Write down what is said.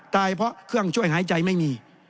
เพราะเครื่องช่วยหายใจไม่มี